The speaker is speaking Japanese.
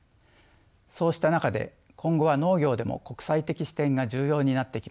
そうした中で今後は農業でも国際的視点が重要になってきます。